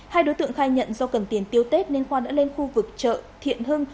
hai đối tượng khai nhận do cần tiền tiêu tết nên khoan đã lên khu vực chợ thiện hưng